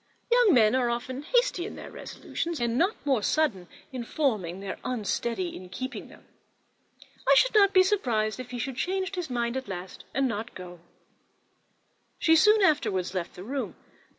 Young men are often hasty in their resolutions, and not more sudden in forming than unsteady in keeping them. I should not be surprised if he were to change his mind at last, and not go." She soon afterwards left the room.